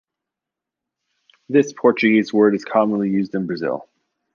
This Portuguese word is commonly used in Brazil.